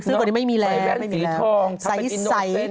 ซื้อก่อนนี้ไม่มีแล้วไม่มีแล้วใสใสแว้นสีทอง